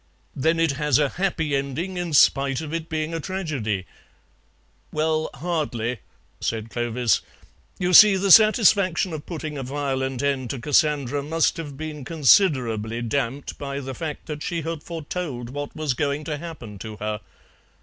"Then it has a happy ending, in spite of it being a tragedy?" "Well, hardly," said Clovis; "you see, the satisfaction of putting a violent end to Cassandra must have been considerably damped by the fact that she had foretold what was going to happen to her.